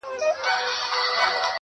ساقي وتاته مو په ټول وجود سلام دی پيره~